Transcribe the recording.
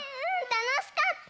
たのしかった！